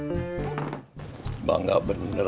udah gua samperin dari tadi siti